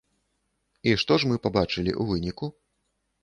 І што ж мы пабачылі ў выніку?